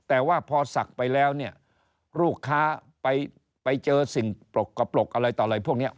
แต่ว่าพอศักดิ์ไปแล้วเนี่ยลูกค้าไปเจอสิ่งปรกอะไรต่ออะไรพวกนี้